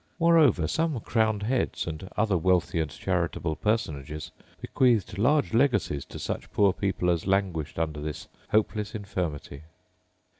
Moreover, some crowned heads, and other wealthy and charitable personages, bequeathed large legacies to such poor people as languished under this hopeless infirmity.